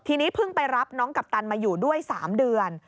ทีนี้เพิ่งไปรับน้องกัปตันมาอยู่ด้วย๓เดือน